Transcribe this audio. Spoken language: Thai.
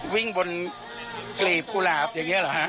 วิ่งบนกลีบกุหลาบอย่างนี้เหรอฮะ